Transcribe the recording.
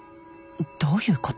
どういうこと？